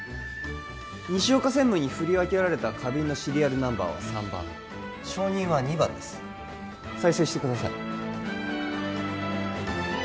西岡専務に振り分けられた花瓶のシリアルナンバーは３番証人は２番です再生してください